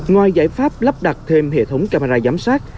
ngoài giải pháp lắp đặt thêm hệ thống camera giám sát